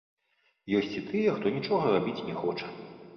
Ёсць і тыя, хто нічога рабіць не хоча.